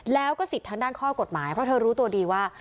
แล้วก็สิทธิ์ทางด้านข้อกฎหมายเพราะเธอรู้ตัวดีว่า